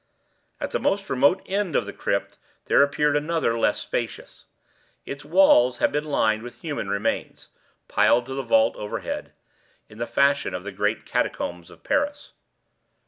At the most remote end of the crypt there appeared another less spacious. Its walls had been lined with human remains, piled to the vault overhead, in the fashion of the great catacombs of Paris.